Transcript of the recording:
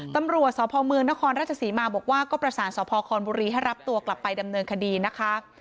ตำรวจสพเมืองนครราชศรีมาบอกว่าก็ประสานสพคอนบุรีให้รับตัวกลับไปดำเนินคดีนะคะ